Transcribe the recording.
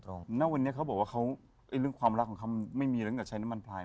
แล้ววันนี้เขาบอกว่าเรื่องความรักของเขาไม่มีแล้วกับใช้น้ำมันพลาย